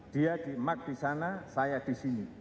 dia di mark di sana saya di sini